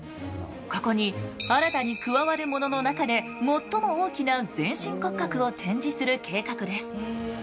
ここに新たに加わるものの中で最も大きな全身骨格を展示する計画です。